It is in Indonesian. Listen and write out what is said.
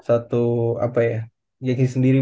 apa ya gengsi sendiri